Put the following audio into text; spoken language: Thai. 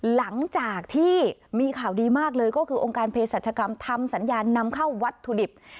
หลังจากที่มีข่าวดีมากเลยก็คือองค์การเพศรัชกรรมทำสัญญาณนำเข้าวัตถุดิบ